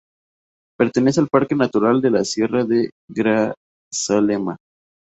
Pertenece al Parque Natural de la Sierra de Grazalema.